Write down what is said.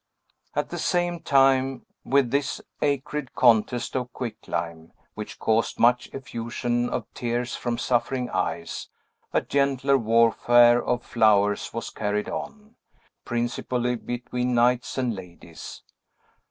At the same time with this acrid contest of quicklime, which caused much effusion of tears from suffering eyes, a gentler warfare of flowers was carried on, principally between knights and ladies.